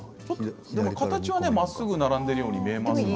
形はまっすぐ並んでいるように見えますね。